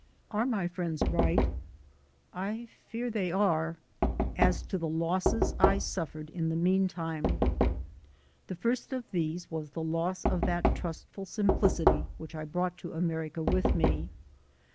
Are my friends right? I fear they are. As to the losses I suffered in the meantime: The first of these was the loss of that trustful simplicity which I brought to America with me.